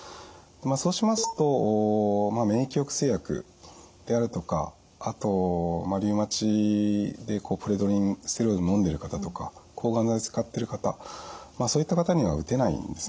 そうしますと免疫抑制薬であるとかあとリウマチでプレドニンステロイドのんでる方とか抗がん剤使っている方そういった方には打てないんですね。